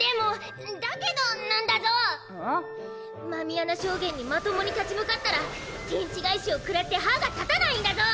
狸穴将監にまともに立ち向かったら天地返しを食らって歯が立たないんだゾ！